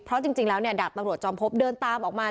เพราะจริงแล้วเนี่ยดาบตำรวจจอมพบเดินตามออกมา